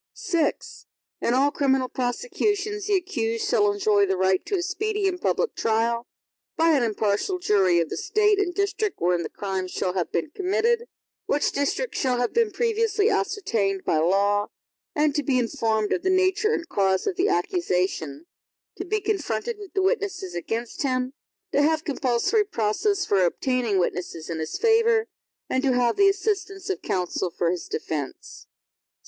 VI In all criminal prosecutions, the accused shall enjoy the right to a speedy and public trial, by an impartial jury of the State and district wherein the crime shall have been committed, which district shall have been previously ascertained by law, and to be informed of the nature and cause of the accusation; to be confronted with the witnesses against him; to have compulsory process for obtaining witnesses in his favor, and to have the assistance of counsel for his defense.